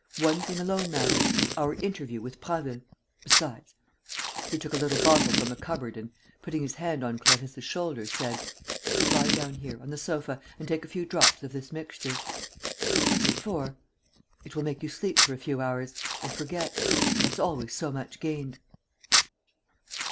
One thing alone matters: our interview with Prasville. Besides...." He took a little bottle from a cupboard and, putting his hand on Clarisse's shoulder, said: "Lie down here, on the sofa, and take a few drops of this mixture." "What's it for?" "It will make you sleep for a few hours ... and forget. That's always so much gained."